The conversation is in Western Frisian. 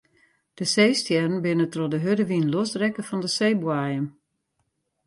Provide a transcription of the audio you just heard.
De seestjerren binne troch de hurde wyn losrekke fan de seeboaiem.